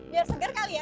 ya seger kali ya